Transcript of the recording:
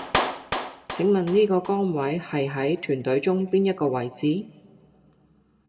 請問呢個崗位係喺團隊中邊一個位置?